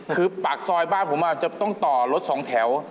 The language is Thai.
คือปากซอยบ้านผมจะต้องต่อรถสองแถว